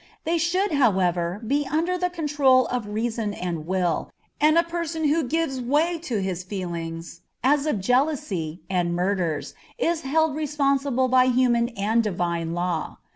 They should, however, be under the control of reason and will, and a person who gives way to his feelings, as of jealousy, and murders, is held responsible by human and divine law.